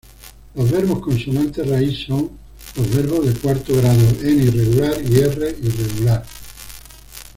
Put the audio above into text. Los verbos consonante-raíz son los verbos de cuarto grado, N-irregular y R-irregular.